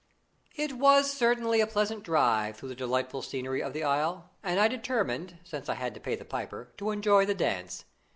It was certainly a pleasant drive through the delightful scenery of the Isle, and I determined, since I had to pay the piper, to enjoy the dance.